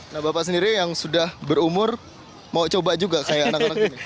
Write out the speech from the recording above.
nah bapak sendiri yang sudah berumur mau coba juga kayak anak anak ini